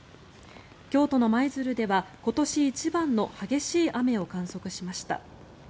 京都の舞鶴では今年一番の激しい雨を観測しました。